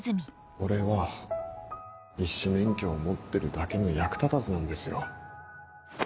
俺は医師免許を持ってるだけの役立たずなんですよ